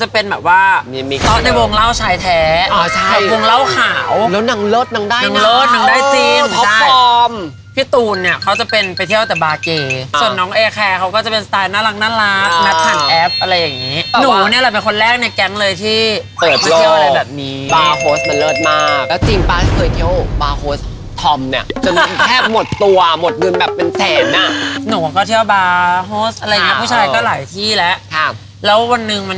เพื่อนในแกงที่วีแบบแบบเเตี้ยละคนแตบไหมกันแม่